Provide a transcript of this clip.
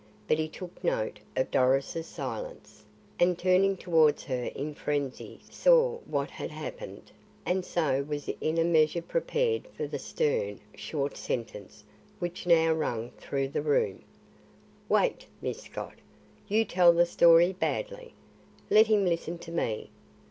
But he took note of Doris' silence, and turning towards her in frenzy saw what had happened, and so was in a measure prepared for the stern, short sentence which now rang through the room: "Wait, Miss Scott! you tell the story badly. Let him listen to me.